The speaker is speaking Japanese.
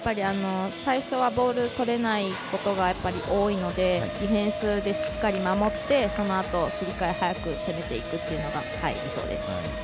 最初はボールをとれないことが多いのでディフェンスでしっかり守ってそのあと切り替え早く攻めていくというのが理想です。